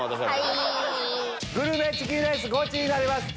グルメチキンレースゴチになります！